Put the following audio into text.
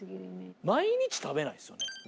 毎日食べないですよね。